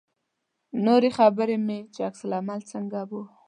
نورې خبرې مې چې عکس العمل څنګه و.